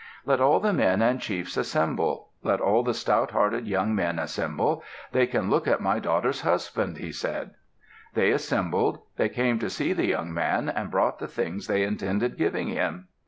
"Let all the men and chiefs assemble. Let all the stout hearted young men assemble. They can look at my daughter's husband," he said. They assembled. They came to see the young man and brought the things they intended giving him.